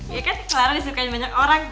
iya kan clara disukain banyak orang